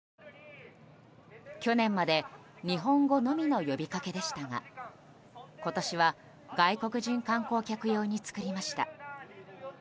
去年まで日本語のみの呼びかけでしたが今年は外国人観光客用に作りました。